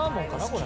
これ。